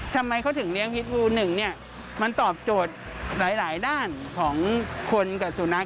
ทำไมเขาถึงเลี้ยงพิษบูหนึ่งเนี่ยมันตอบโจทย์หลายด้านของคนกับสุนัข